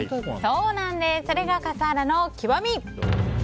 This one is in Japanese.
それが笠原の極み。